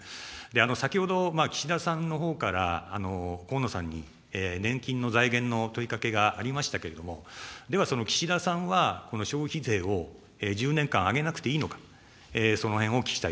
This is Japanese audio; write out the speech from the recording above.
先ほど、岸田さんのほうから河野さんに、年金の財源の問いかけがありましたけれども、ではその岸田さんは、この消費税を１０年間上げなくていいのか、そのへんをお聞きしたい。